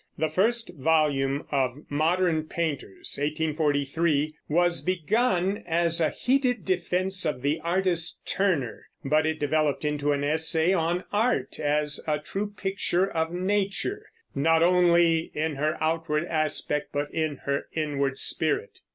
The first volume of Modern Painters (1843) was begun as a heated defense of the artist Turner, but it developed into an essay on art as a true picture of nature, "not only in her outward aspect but in her inward spirit."